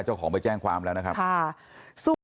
เจ้าของไปแจ้งความแล้วนะครับ